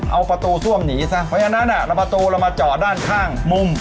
เอาประตูซ่วมหนีซะเพราะฉะนั้นประตูเรามาจอดด้านข้างมุม